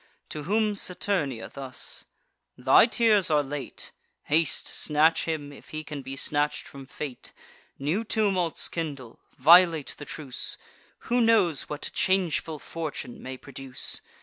To whom Saturnia thus: "Thy tears are late: Haste, snatch him, if he can be snatch'd from fate: New tumults kindle; violate the truce: Who knows what changeful fortune may produce?